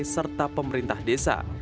serta pemerintah desa